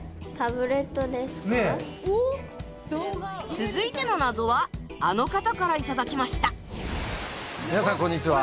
続いての謎はあの方から頂きました皆さんこんにちは。